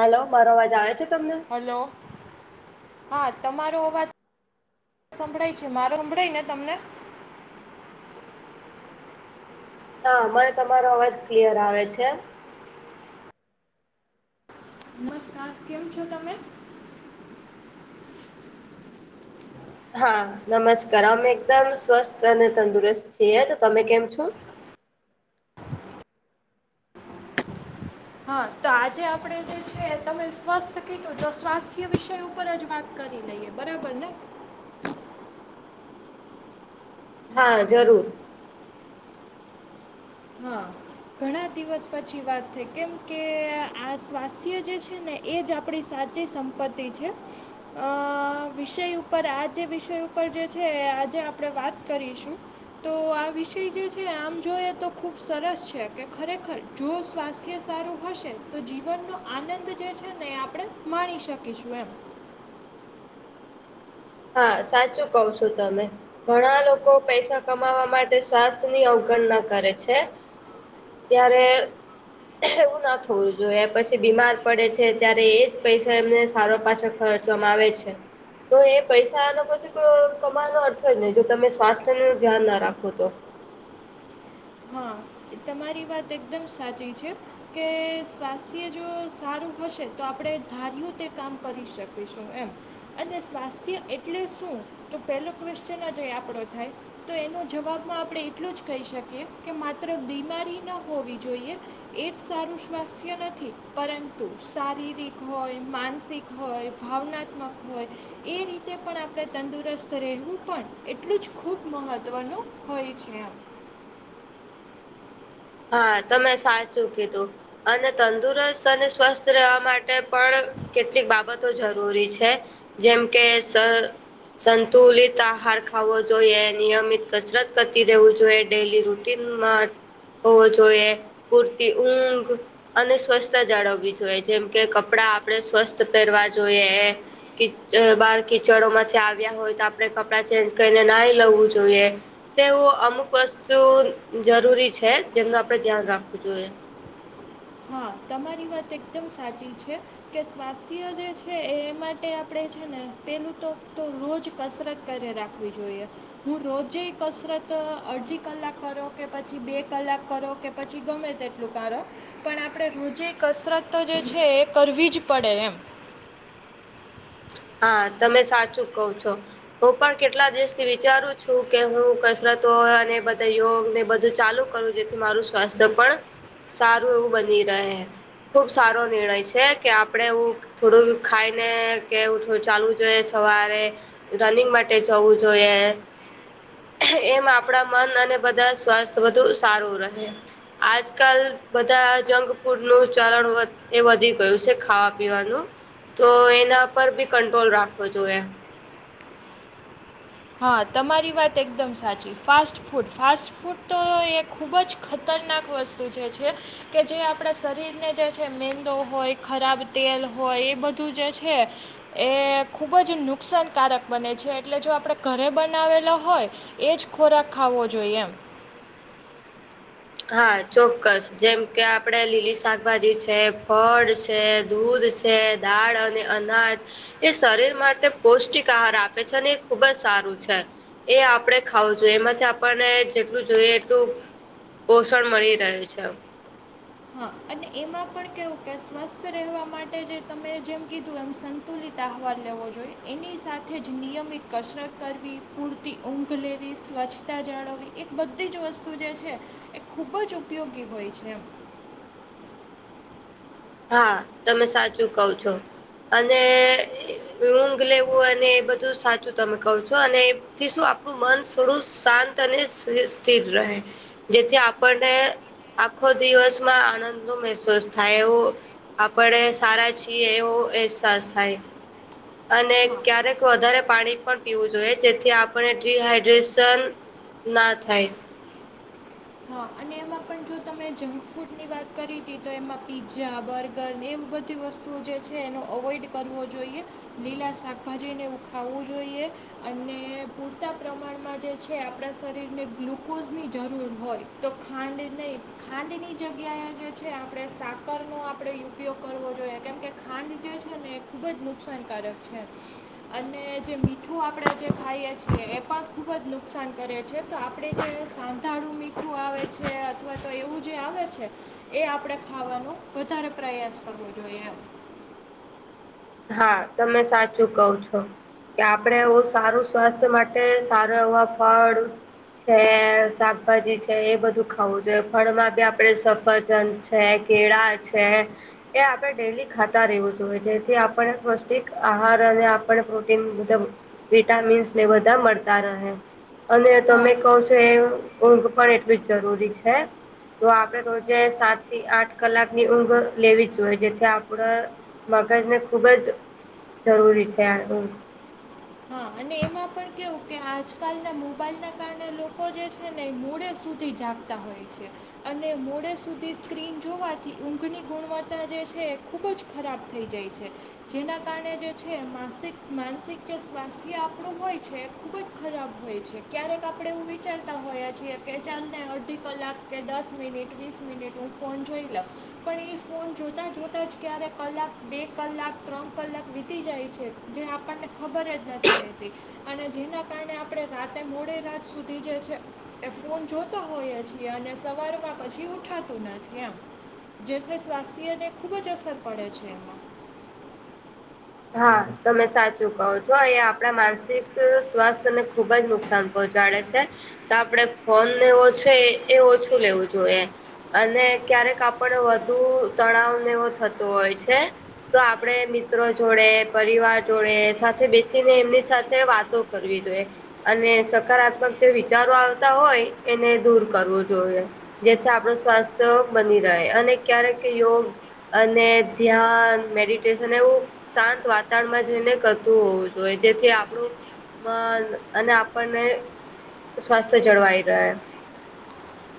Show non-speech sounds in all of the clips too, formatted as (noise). Hello મારો અવાજ આવે છે તમને હલો હા તમારો અવાજ (unintelligible) સંભળાય છે મારો સંંભળાય ને તમને હા મને તમારો અવાજ ક્લિયર આવે છે નમસ્કાર કેમ છો તમે હા નમસ્કાર અમે એકદમ સ્વસ્થ અને તંદુરસ્ત છીએ તો તમે કેમ છો હા તો આજે આપણે જે છે તમે સ્વસ્થ કીધું જો સ્વાસ્થ્ય વિષય ઉપર જ વાત કરી લઈએ બરાબર ને હા જરૂર હા ઘણા દિવસ પછી વાત થઈ કેમ કે આ સ્વાસ્થ્ય જે છે. ને- એ જ આપણી સાચી સંપત્તિ છે. અ વિષય ઉપર આ જે વિષય ઉપર જે છે આજે આપણે વાત કરીશું. તો આ વિષય જે છે આમ જોઈએ તો ખૂબ સરસ છે કે ખરેખર જો સ્વાસ્થ્ય સારું હશે તો જીવનનો આનંદ જે છે ને એ આપણે માણી શકીશું એમ હા સાચું કઉ છો તમે- ઘણા લોકો પૈસા કમાવા માટે શ્વાસ ની અવગણના કરે છે. ત્યારે- એવું ના થવું જોઈએ પછી બીમાર પડે છે ત્યારે એજ પૈસા એમને સારો પાછ ખર આવે છે. તો એ- પૈસાનો પછી કો કમાવાનો અર્થ જ નહી જો તમે સ્વાસ્થ્યનુ ધ્યાન ના રાખો તો હા તમારી વાત એકદમ સાચી છે. કે સ્વાસ્થ્ય જો સારું હશે તો આપણે ધાર્યું તે કામ કરી શકીશું એમ. અને સ્વાસ્થ્ય એટલે શું? તો પેલો ક્વેશ્ચન જ એ આપણો થાય- તો એનો જવાબમાં આપડે એટલું જ કહી શકીએ કે માત્ર બીમારી ન હોવી જોઈએ. એ જ સારું સ્વાસ્થ્ય નથી પરંતુ શારીરિક હોય, માનસિક હોય, ભાવનાત્મક હોય એ રીતે પણ આપડે તંદુરસ્ત રહેવું પણ એટલું જ ખૂબ મહત્ત્વનું હોય છે. હા તમે સાચું કીધું અને તંદુરસ્ત અને સ્વસ્થ રહેવા માટે પણ કેટલીક બાબતો જરૂરી છે જેમ કે સર સંતુલિત આહાર ખાવો જોઈએ નિયમિત કસરત કરતી રહેવું જોઈએ ડેલી રૂટ ટીન મા હોવો જોઈએ પૂરતી ઊંઘ. અને સ્વચસ્છતા જાળવવી જોઈએ જેમ કે કપડા આપણેે સ્વસ્થ પહેરવા જોઈએ. બાર કિચડ માંથી આવ્યા હોય તો આપડે કપડાં ચેન્જ કરીને નાઈ લવવું જોઈએ. તેવું અમુક વસ્તુ જરૂરી છે જેમનું આપડે ધ્યાન રાખવું જોઈએ. હા તમારી વાત એકદમ સાચી છે. કે સ્વાસ્થ્ય જે છે એ માટે આપણે છે ને પેલું તો રોજ કસરત કર્યા રાખવી જોઈએ. હું રોજે કસરત અડધી કલાક કરો કે પછી બે કલાક કરો કે પછી ગમે તેટલું કારો પણ આપણે રોજે કસરત તો જે છે એ કરવી જ પડે એમ. હા તમે સાચું કહો છો. હું પણ કેટલા દિવસથી વિચારું છું કે હું કસરતો અને બધા યોગ ને બધું ચાલુ કરું જેથી મારું સ્વાસ્થ્ય પણ સારું એવું બની રહે ખૂબ સારો નિર્ણય છે કે આપણે એવુ થોડુંક ખાઈને કેવું થોડું ચાલવું જોઈએ સવારે રનિંગ માટે જવું જોઈએ. એમ આપણા મન અને બધા સ્વાસ્થ્ય બધું સારું રહે આજકાલ બધા જંક ફૂડ નું ચાલણ વધ એ વધી ગયું છે ખાવા પીવાનું તો એના પર બી કંટ્રોલ રાખવો જોઈએ. હા તમારી વાત એકદમ સાચી ફાસ્ટ ફૂડ ફાસ્ટ ફૂડ તો એ ખૂબ જ ખતરનાક વસ્ત (unintelligible) છે કે જે આપણા શરીર ને જે છે મેંદો હોય ખરાબ તેલ હોય એ બધું જે છે. એ ખુબ જ નુકસાનકારક બને છે એટલે જો આપડે ઘરે બનાવેલો હોય એ જ ખોરાક ખાવો જોઈએ એમ. હા ચોક્કસ જેમ કે આપડે લીલી શાકભાજી છે, ફળ છે, દૂધ છ તે દાળ અને અનાજ એ શરીર માટે પૌષ્ટિક આહાર આપે છે અને એ ખૂબ જ સારું છે. એ આપડે ખાવું જોઈએ એમાંથી આપણને જેટલું જોઈએ એટલું- પોષણ મળી રહે છે. હા અને એમાં પણ કેવું કે સ્વસ્થ રહેવા માટે જે તમે જેમ કીધું એમ સન તુલિત આહવાલ લેવો જોઈએ એની સાથે જ નિયમિત કસરત કરવી પૂર તિ ઊંઘ લેવી, સ્વચ્છતા જાળવવી એ બધી જ વસ્તુ જે છે એ ખૂબ જ ઉપયોગી હોય છે એમ. હા તમે સાચું કવ છો અને ઊંઘ લેવું અને એ બધું સાચું તમે કવ છો અને એનથી શું આપણું મન થોડું શાંત અને સ્થિ સ્થિર રહે. જેથી આપણને આખો દિવસમાં આણંદનુ મહેસૂસ થાય એવો આપણે સારા છીએ એવો અહેસાસ થાય. અને હા ક્યારેક વધારે પાણી પણ પીવું જોઈએ જેથી આપણે ડીહાઈડ્રેશન ના થાય. હા અને એમ માં પણ જો તમે જંક ફૂડની વાત કરી તી તો એમાં પીઝા, બર્ગર ને એમ બધી વસ્ તું જે છે એનો અવોઈડ કરવો જોઈએ. લીલા શાકભાજીને એવું ખાવું જોઈએ અને પૂરતા પ્રમાણમાં જે છે આપણા શરીરને ગ્લુકોઝની જરૂર હોય. તો ખાંડ નહીં, ખાંડની જગ્યાએ જે છે આપણે સાકરનો આપણે ઉપયોગ કરવો જોઈએ કેમ કે ખાંડ જે છે ને એ ખુબ જ નુકસાનકારક છે. અને જે મીઠું આપણે જે ખાઈએ છીએ એ પણ ખૂબ જ નુકસાન કરે છે. તો આપડે જે સાંધાળું મીઠું આવે છે અથવા તો એવું જે આવે છે. એ આપણે ખાવાનો વધારે પ્રયાસ કરવો જોઈએ એમ. હા, તમે સાચું કવ છો. કે આપણે એવું સારું સ્વાસ્થ્ય માટે સારા એવા ફળ છે શાકભાજી છે એ બધું ખાવું જોઈએ ફળમાં બી આપડે સફરજન છે કેળા છે એ આપણે ડેલી ખાતા રહેવું જોઈએ જેથી આ આપણે પૌષ્ટિક આહાર અને આપણે પ્રોટીન બધાં વિટામીન્સને બધાં મળતા રહે અને હા તમે કવ છો એવું ઊંઘ પણ એટલી જ જરૂરી છે. તો આપણે રોજે સાતથી આઠ કલાકની ઊંઘ લેવી જ જોઈએ જેથી આપણે મગજને ખુબ જ જરૂરી છે આ ઊન્ઘ. હા અને એમાં પણ કેવું કે આજકાલના મોબાઈલના કારણે લોકો જે છે ને એ મોળે સુધી જાગ તા હોય છે. અને મોડે સુધી સ્ક્રીન જોવાથી ઊંઘની ગુણવત્તા જે છે ખૂબ જ ખરાબ થઈ જાય છે જેના કારણે જે છે માસિક માનસિક જે સ્વાસ્થ્ય આપણું હોય છે એ ખૂબ જ ખરાબ હોય છે ક્યારેક આપણે એવું વિચારતા હોએ છીએ. કે ચાલને અડઢી કલાક કે દસ મિનિટ, વીસ મિનિટ હું ફોન જોઈ લઉં. પણ ઈ ફોન જોતાં જોતાં જ ક્યારે કલાક, બે કલાક, ત્રણ કલાક વીતી જાય છે. જે આપણને ખબર જ નથી રહેતી અને જેના કારણે આપણે રાતે મોડી રાત સુધી જે છે. એ ફોન જોતો હોયે છીએ અને સવારમાં પછી ઉઠાતું નથી એમ. જેથી સ્વાસ્થ્યને ખૂબ જ અસર પડે છે. હા, તમે સાચું કહો છો એ આપણા માનસિક સ્વાસ્થ્યને ખૂબ જ નુકસાન પહોંચાડે છે તો આપણેે ફોનને એવો છે એ ઓછું લેવું જોઈએ. અને ક્યારેક આપણે વધુ તણાવને એવું થતો હોય છે. તો આપણે મિત્રો જોડે પરિવાર જોડે સાથે બેસીને એમની સાથે વાતો કરવી જોઈએ. અને સકારાત્મક જે વિચારો આવતા હોય એને દૂર કરવું જોએ. જેથી આપણુ સ્વાસ્થ્ય બની રહે અને ક્યારેક યોગ અને ધ્યાન મેડિટેશન એવું શાંત વાતાવરણમાં જઈને કરતું હોવું જોઈએ જેથી આપણું અને આપણને સ્વાસ્થ્ય જળવાઈ રહે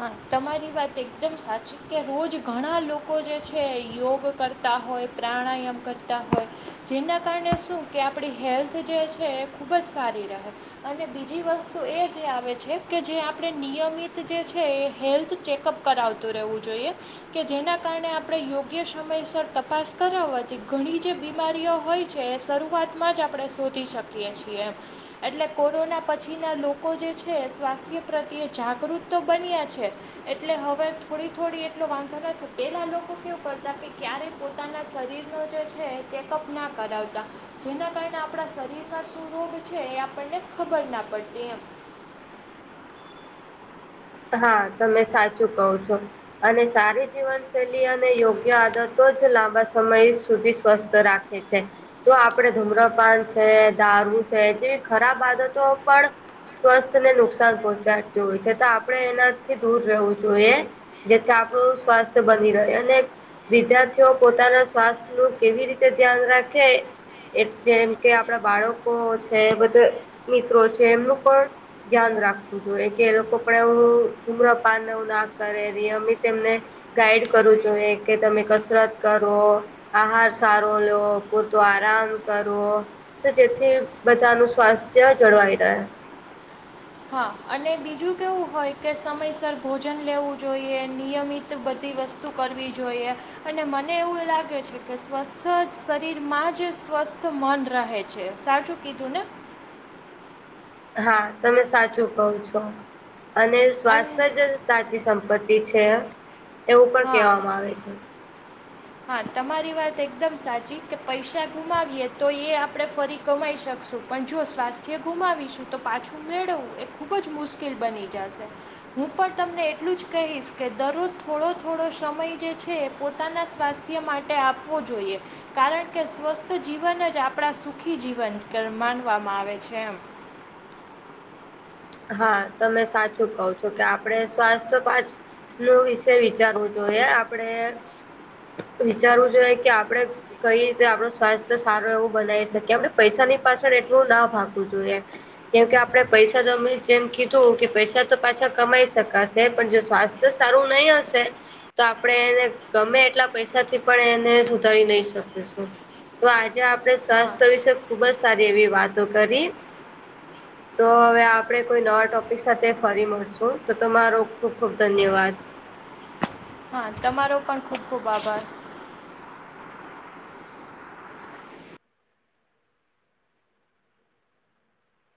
હા તમારી વાત એકદમ સાચી કે રોજ ઘણા લોકો જે છે યોગ કરતા હોય પ્રાણાયામ કરતા હોય જેના કારણે શું કે આપણી હેલ્થ જે છે એ ખૂબ જ સારી રહે અને બીજી વસ્તુ એ જે આવે છે કે જે આપણે નિયમિત જે છે એ હેલ્થ ચેકઅપ કરાવતું રહેવું જોઈએ. કે જેના કારણે આપણે યોગ્ય સમયસર તપાસ કરાવવાથી ઘણી જે બીમારીઓ હોય છે. છે એ શરૂઆતમાં જ આપણે શોધી શકીએ છીએમ. એટલે કોરોના પછીના લોકો જે છે, સ્વાસ્થ્ય પ્રત્યે જાગૃત તો બન્યા છે. એટલે હવે થોડી થોડી એટલો વાંધો ના તો પેલા લોકો કેવું કરતા કે ક્યારે પોતાના શરીરનો જે છે, ચેકઅપ ના કરાવતા. જેના કારણે આપણા શરીરમાં શું રોગ છે, એ આપણને ખબર ના પડતી એમ. હા તમે સાચું કહ છો. અને સારી જીવનશૈલી અને યોગ્ય આદતો જ લાંબા સમય સુધી સ્વસ્થ રા એ છે. તો આપડણે ધમ્રપાન છે, દારૂ છે, જેવી ખરાબ આદતો પણ સ્વસ્થ ને નુકસાન પહોંચાડતું હોય છે, તો આપણે એનાથી દૂર રહેવું જોઈએ. જેથી આપણું સ્વાસ્થ્ય બની રહે અને વિદ્યાર્થીઓ પોતાના સ્વાસ્થ્ય નું કેવી રીતે ધ્યાન રાખે એ જેમ કે આપણા બાળકો છે બધા મિત્રો છે, એમનું પણ ધ્યાન રાખવું જોઈએ કે એ લોકો (inaudible) ધુમ્ર પાન ન ના કરે ર અમી તેમને. ગાઈડ કરું જોઈએ કે તમે કસરત કરો. આહાર સારો લેવ પૂરતો આરામ કરવો. તો જેથી બધાનું સ્વાસ્થ્ય જળવાઈ રહે. હા અને બીજું કેવું હોય કે સમયસર ભોજન લેવું જોઈએ નિયમિત બધી વસ્તુ. તું કરવી જોઈએ. અને મને એવું લાગે છે કે સ્વસ્થ શરીરમાં જ સ્વસ્થ મન રહે છે. સારું કીધું ને હા તમે સાચું કહ છો અને અન સ્વાસ્થ્ય જ સાચી સંપત્તિ છે, એવું પણ હા કહેવામાં આવે છે. હા તમારી વાત એકદમ સાચી કે પૈસા ગુમાવીએ તો એ આપણે ફરી કમાઈ શકશું. પણ જો સ્વાસ્થ્ય ગુમાવીશું તો પાછું મેળવવું એ ખૂબ જ મુશ્કેલ બની જશે. હું પણ તમને એટલું જ કહીશ કે દરરોજ થોડો થોડો સમય જે છે એ પોતાના. સ્વાસ્થ્ય માટે આપવું જોઈએ. કારણ કે સ્વસ્થ જીવન જ આપણા સુખી જીવન માનવામાં આવે છે એમ. હા તમે સાચું કહો છો કે આપણે સ્વાસ્થ્ય પાછ નો વિષય વિચારવું જોઈએ આપણેે વિચારવું જોઈએ કે આપડે. કઈ રીતે આપણો સ્વાસ્થ્ય સારો એવું બનાવી શકીએ આપણે પૈસાની પાછળ એટલું ના ભાગવું જોઈએ. કેમ કે આપડે પૈસા જમી જેમ કીધું કે પૈસા તો પાછા કમાઈ શકાશે પણ જો સ્વાસ્થ્ય સારું નહી હશે. તો આપણે એને ગમે એટલા પૈસાથી પણ એને સુધારી નહી શકીશું. તો આજે આપડે. હા સ્વાસ્થ્ય વિશે ખુબ જ સારી એવી વાતો કરી તો હવે. આપણે કોઈ નવા ટોપિક સાથે ફરી મળશું તો તમારો ખૂબ ખૂબ ધન્યવાદ. હા તમારો પણ ખૂબ ખૂબ આભાર.